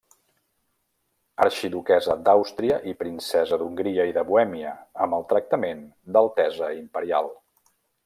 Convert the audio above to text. Arxiduquessa d'Àustria i princesa d'Hongria i de Bohèmia amb el tractament d'altesa imperial.